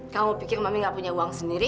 kamu pikir mami nggak punya uang sendiri